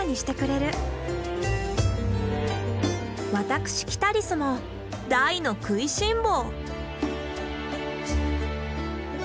私キタリスも大の食いしん坊！